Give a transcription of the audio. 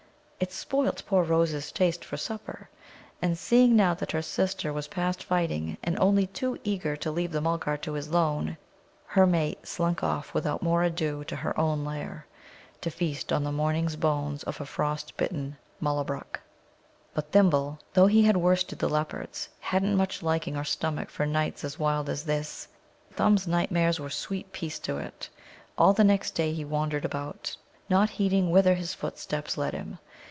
It spoilt poor Roses' taste for supper, and, seeing now that her sister was past fighting, and only too eager to leave the Mulgar to his lone, her mate slunk off without more ado to her own lair, to feast on the morning's bones of a frost bitten Mullabruk. But Thimble, though he had worsted the leopards, hadn't much liking or stomach for nights as wild as this. Thumb's nightmares were sweet peace to it. All the next day he wandered about, not heeding whither his footsteps led him.